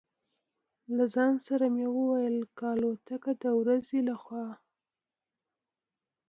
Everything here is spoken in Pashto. له ځان سره مې وویل: که الوتکه د ورځې له خوا.